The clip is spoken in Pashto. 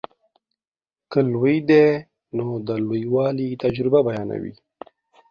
که لوی دی نو د لویوالي تجربه بیانوي.